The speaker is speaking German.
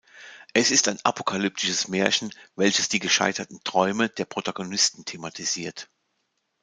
Es ist ein apokalyptisches Märchen, welches die gescheiterten Träume der Protagonisten thematisiert.